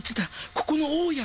ここの大家。